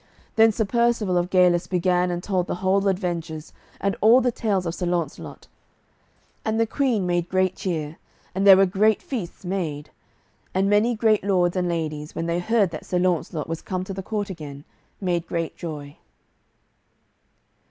Then Sir Percivale of Galis began and told the whole adventures, and all the tales of Sir Launcelot. And the Queen made great cheer, and there were great feasts made, and many great lords and ladies, when they heard that Sir Launcelot was come to the court again, made great joy.